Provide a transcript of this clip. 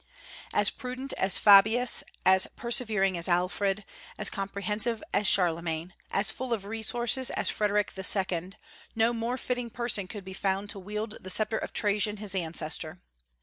As prudent as Fabius, as persevering as Alfred, as comprehensive as Charlemagne, as full of resources as Frederic II., no more fitting person could be found to wield the sceptre of Trajan his ancestor.